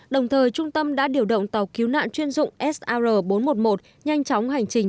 đồng thời trung tâm đã điều động tàu cứu nạn chuyên dụng sr bốn trăm một mươi một nhanh chóng hành trình